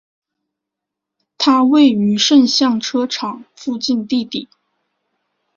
它位于盛港车厂附近地底。